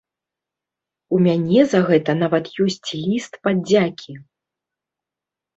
У мяне за гэта нават ёсць ліст падзякі.